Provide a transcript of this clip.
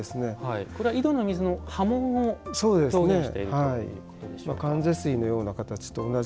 これは井戸の水の波紋を表現しているということでしょうか。